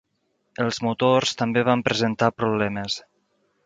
Els motors també van presentar problemes.